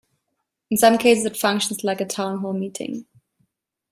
In some cases it functions like a town hall meeting.